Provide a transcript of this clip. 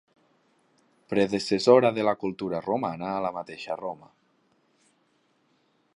Predecessora de la cultura romana a la mateixa Roma.